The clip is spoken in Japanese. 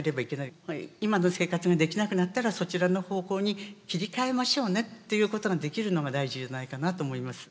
今の生活ができなくなったらそちらの方向に切り替えましょうねっていうことができるのが大事じゃないかなと思います。